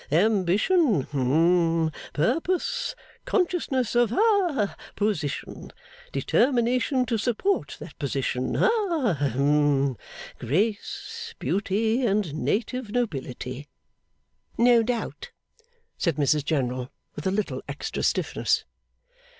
Ambition hum purpose, consciousness of ha position, determination to support that position ha, hum grace, beauty, and native nobility.' 'No doubt,' said Mrs General (with a little extra stiffness).